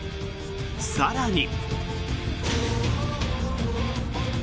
更に。